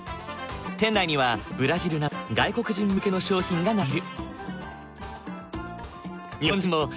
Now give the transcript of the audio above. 店内にはブラジルなど外国人向けの商品が並んでいる。